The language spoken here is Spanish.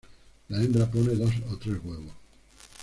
La hembra pone dos o tres huevos.